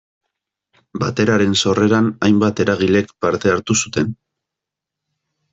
Bateraren sorreran hainbat eragilek parte hartu zuten.